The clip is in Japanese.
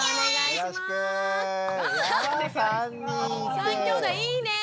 ３きょうだいいいねえ。